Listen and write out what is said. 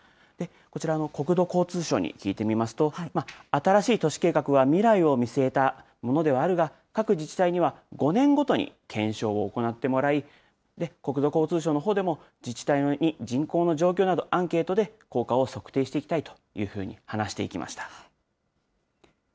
こちらも国土交通省に聞いてみますと、新しい都市計画は未来を見据えたものではあるが、各自治体には５年ごとに検証を行ってもらい、国土交通省のほうでも、自治体に人口の状況など、アンケートで効果を測定していきたいというふうに話していました。